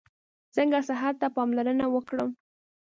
څنګه صحت ته پاملرنه وکړم؟